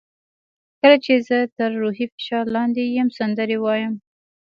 کله چې زه تر روحي فشار لاندې یم سندرې وایم.